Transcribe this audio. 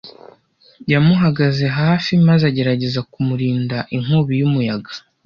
Yamuhagaze hafi maze agerageza kumurinda inkubi y'umuyaga.